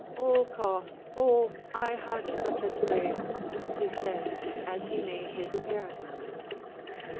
"O Cauth! oh, I had such a dhrame," he said, as he made his appearance.